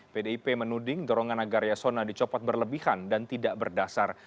pdip menuding dorongan agar yasona dicopot berlebihan dan tidak berdasar